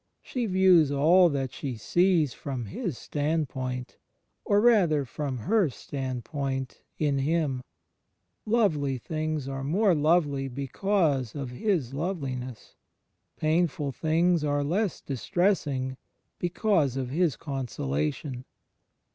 She views all that she sees from His standpomt, or rather from her standpoint in Him; lovely things are more lovely because of His loveliness; painful things are less distressing because of His consola tion.